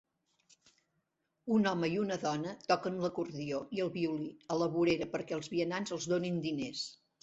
Un home i una dona toquen l'acordió i el violí a la vorera perquè els vianants els donin diners.